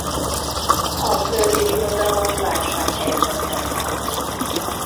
A Földi Birodalom válsághelyzetben van.